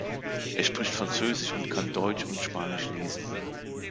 Er spricht Französisch und kann Deutsch und Spanisch lesen.